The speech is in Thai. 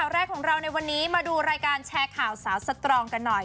แรกของเราในวันนี้มาดูรายการแชร์ข่าวสาวสตรองกันหน่อย